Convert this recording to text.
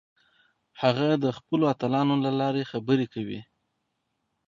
هغه د خپلو اتلانو له لارې خبرې کوي.